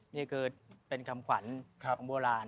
นี่คือเป็นคำขวัญของโบราณ